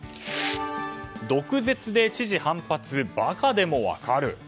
毒舌で知事反発バカでも分かる。